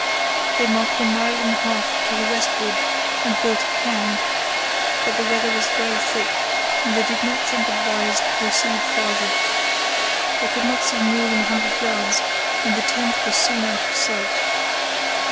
They marched a mile and a half to the westward and built a cairn, but the weather was very thick and they did not think it wise to proceed farther. They could not see more than a hundred yards and the tent was soon out of sight.